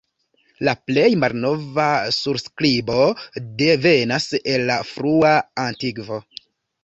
La plej malnova surskribo devenas el la frua antikvo.